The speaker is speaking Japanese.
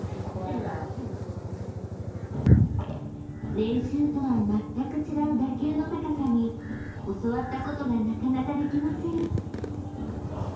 ［練習とはまったく違う打球の高さに教わったことがなかなかできません」